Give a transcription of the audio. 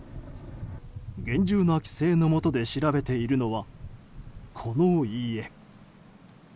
厳重な規制のもとで調べているのは、この家。